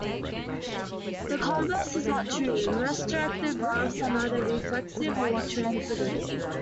The converse is not true: most directed graphs are neither reflexive nor transitive.